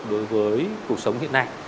đối với cuộc sống hiện nay